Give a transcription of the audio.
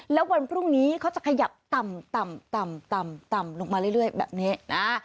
แล้ววันพรุ่งนี้เขาจะขยับต่ำต่ำลงมาเรื่อยแบบนี้นะ